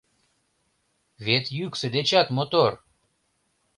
Вет йӱксӧ дечат мотор!